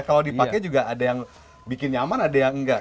kalau dipakai juga ada yang bikin nyaman ada yang enggak